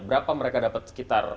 berapa mereka dapet sekitar